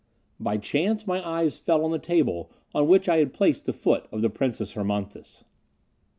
By chance my eyes fell on the table on which I had placed the foot of the Princess Hermonthis.